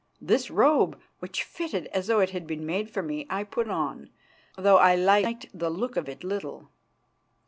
This robe, which fitted as though it had been made for me, I put on, though I liked the look of it little.